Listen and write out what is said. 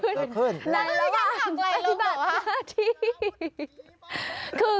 นิ้วก้ยหักไหล่ลงเหรอท่าน